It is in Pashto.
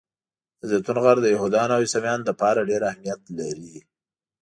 د زیتون غر د یهودانو او عیسویانو لپاره ډېر اهمیت لري.